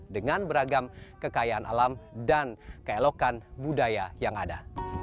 dengan beragam kekayaan alam dan keelokan budaya yang ada